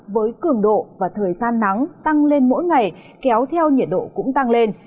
với cường độ và thời gian nắng tăng lên mỗi ngày kéo theo nhiệt độ cũng tăng lên